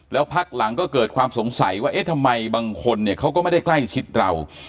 แล้วพักหลังก็เกิดความสงสัยว่าเอ๊ะทำไมบางคนเนี่ยเขาก็ไม่ได้ใกล้ชิดเรา